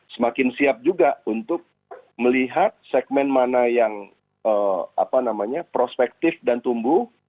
semakin siap juga untuk melihat segmen mana yang prospektif dan tumbuh